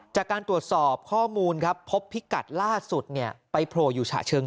จากการตรวจสอบข้อมูลครับพบพิกัดล่าสุดเนี่ยไปโผล่อยู่ฉะเชิง